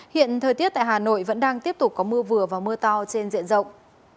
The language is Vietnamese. hiện thời tiết tại hà nội vẫn đang tiếp tục có mưa vừa và mưa to trên diện rộng